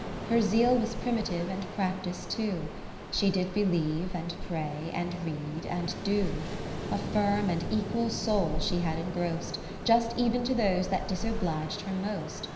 Her Zeal was primitive and practice too ; She did believe, and pray, and read, and do. A firm and equal soul she had engrost. Just ev'n to those that disoblig'd her most.